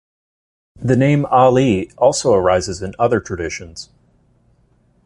The name "Ali" also arises in other traditions.